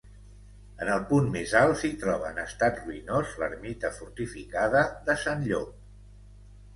En el punt més alt s'hi troba en estat ruïnós l'ermita fortificada de Sant Llop.